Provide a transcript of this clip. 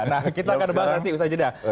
nah kita akan bahas nanti usai jeda